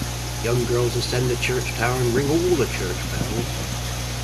Young girls ascend the church tower and ring all the church bells.